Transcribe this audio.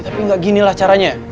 ya tapi gak ginilah caranya